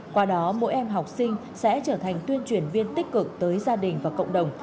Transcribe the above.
qua đó mỗi em học sinh sẽ trở thành tuyên truyền viên tích cực tới gia đình và cộng đồng